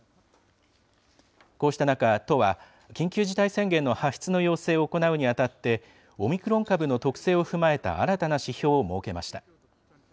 こうした中、都は緊急事態宣言の発出の要請を行うにあたって、オミクロン株の特性を踏まえた新たな指標を設けました。